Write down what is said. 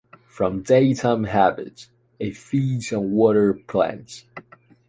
From daytime habits, it feeds on water plants.